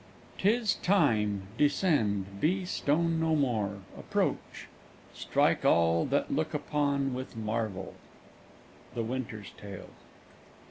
"'Tis time; descend; be stone no more; approach: Strike all that look upon with marvel." _The Winter's Tale.